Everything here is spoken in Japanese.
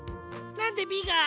なんで「ビガ」？